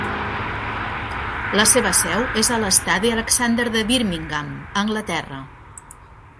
La seva seu és a l'estadi Alexander de Birmingham, Anglaterra.